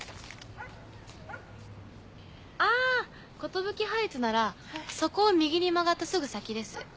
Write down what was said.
あ寿ハイツならそこを右に曲がったすぐ先です。